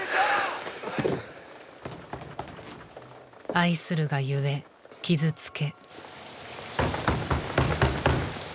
愛するがゆえ傷つけ。